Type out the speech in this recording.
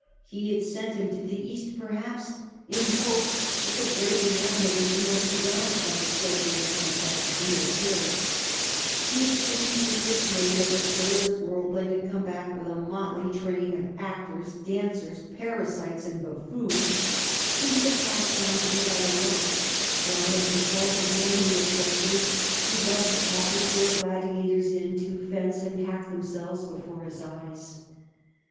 He had sent him to the East, perhaps, in hope that the braver manhood in him might be roused by the sobering contact of real cares, He had seen to his dismay that the careless worldling had come back with a motley train of actors, dancers, parasites, and buffoons, to be the pastimes of his idle life, while in default of manlier pleasures he loved to have the poor gladiators in to fence and hack themselves before his eyes.